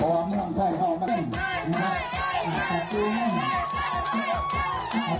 โอ๊ยชิคกี้พาย